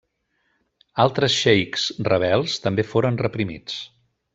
Altres xeics rebels també foren reprimits.